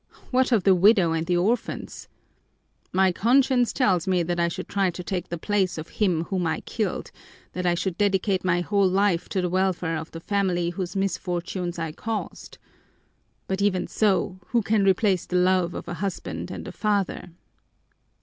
What of the widow and the orphans? My conscience tells me that I should try to take the place of him whom I killed, that I should dedicate my whole life to the welfare of the family whose misfortunes I caused. But even so, who can replace the love of a husband and a father?'